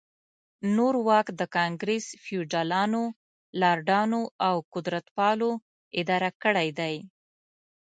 نور واک د ګانګرس فیوډالانو، لارډانو او قدرتپالو اداره کړی دی.